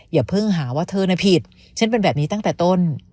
อย่าเพิ่งหาว่าเธอน่ะผิดฉันเป็นแบบนี้ตั้งแต่ต้น